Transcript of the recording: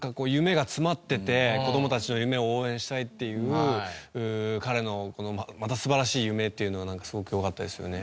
子どもたちの夢を応援したいっていう彼のまた素晴らしい夢っていうのがすごくよかったですよね。